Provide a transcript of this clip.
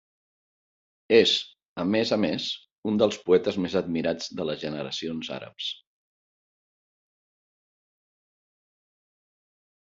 És, a més a més, un dels poetes més admirats de les generacions àrabs.